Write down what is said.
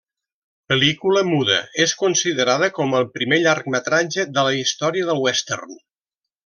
Pel·lícula muda, és considerada com el primer llargmetratge de la història del western.